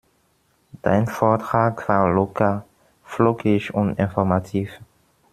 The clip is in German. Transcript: Dein Vortrag war locker, flockig und informativ.